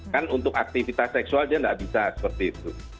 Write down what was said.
kan untuk aktivitas seksual dia nggak bisa seperti itu